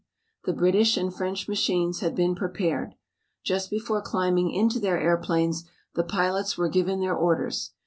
The British and French machines had been prepared. Just before climbing into their airplanes the pilots were given their orders.